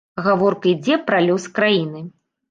Гаворка ідзе пра лёс краіны.